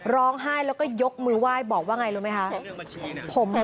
ร้องไห้แล้วก็ยกมือไหว้บอกว่าไงรู้ไหมคะ